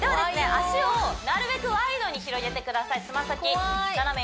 脚をなるべくワイドに広げてください爪先斜め